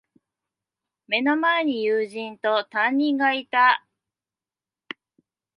目の前に友人と、担任がいた。